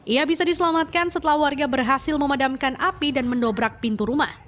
ia bisa diselamatkan setelah warga berhasil memadamkan api dan mendobrak pintu rumah